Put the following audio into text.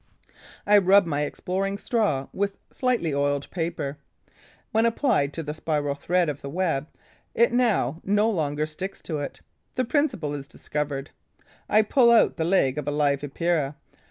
I rub my exploring straw with slightly oiled paper. When applied to the spiral thread of the web, it now no longer sticks to it. The principle is discovered. I pull out the leg of a live Epeira.